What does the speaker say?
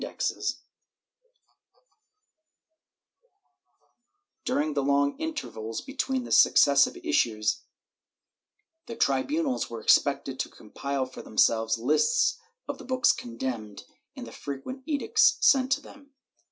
IV] EXPURGATION OF BuOKS AND LIBRARIES 497 During the long intervals between the successive issues, the tribunals were expected to compile for themselves lists of the books condemned in the frequent edicts sent to them.